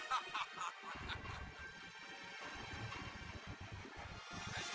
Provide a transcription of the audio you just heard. so kenapa ini berangkat visas itu